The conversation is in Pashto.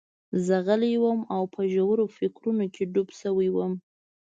زه غلی وم او په ژورو فکرونو کې ډوب شوی وم